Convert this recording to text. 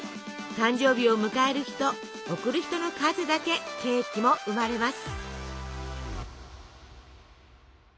誕生日を迎える人贈る人の数だけケーキも生まれます。